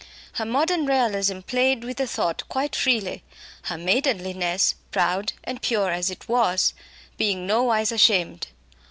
Her modern realism played with the thought quite freely; her maidenliness, proud and pure as it was, being nowise ashamed.